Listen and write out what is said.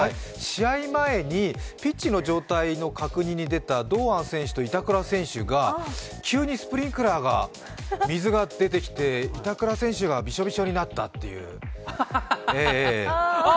試合前にピッチの状態を確認しに出てきた堂安選手と板倉選手が急にスプリンクラーの水が出てきて板倉選手がびしょびしょになったという。